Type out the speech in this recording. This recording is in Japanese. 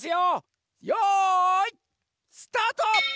よいスタート！